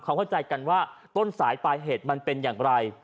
เขาเข้าใจกันว่าต้นสายปลายเหตุมันเป็นอย่างไร